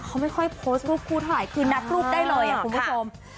เขาไม่ค่อยโพสต์รูปคู่เท่าไหร่คือนับรูปได้เลยคุณผู้ชม